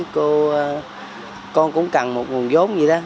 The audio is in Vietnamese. cô con cũng cần một nguồn giống gì đó